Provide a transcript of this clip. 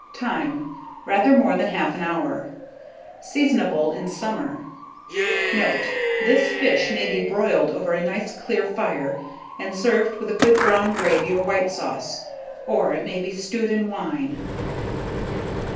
Time. Rather more than 1/2 an hour. Seasonable in summer. [Illustration: THE SEA BREAM.] Note. This fish may be broiled over a nice clear fire, and served with a good brown gravy or white sauce, or it may be stewed in wine.